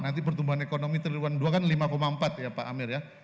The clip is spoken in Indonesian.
nanti pertumbuhan ekonomi tribuan dua kan lima empat ya pak amir ya